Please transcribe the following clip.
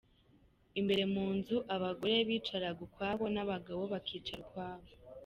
Imbere mu nzu, abagore bicaraga ukwabo n’abagabo bakicara ukwabo.